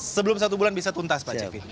sebelum satu bulan bisa tuntas pak jeffy